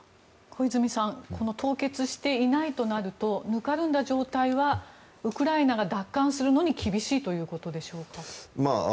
小泉さん凍結していないとなるとぬかるんだ状態はウクライナが奪還するのに厳しいということでしょうか。